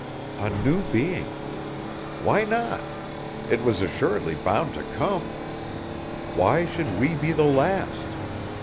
A new being! Why not? It was assuredly bound to come! Why should we be the last?